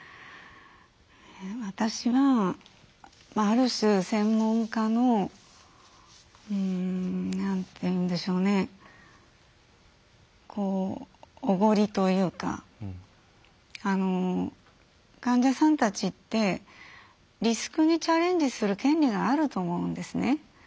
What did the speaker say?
私はある種、専門家のおごりというか患者さんたちってリスクにチャレンジする権利があると思うんですね。